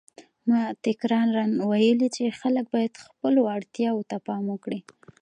ما تکراراً ویلي چې خلک باید خپلو اړتیاوو ته پام وکړي.